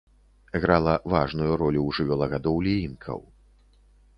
Грала важную ролю ў жывёлагадоўлі інкаў.